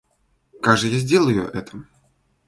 Как же я сделаю это?